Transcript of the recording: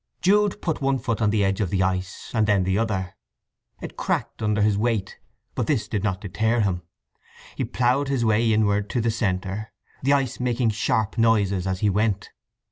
Jude put one foot on the edge of the ice, and then the other: it cracked under his weight; but this did not deter him. He ploughed his way inward to the centre, the ice making sharp noises as he went.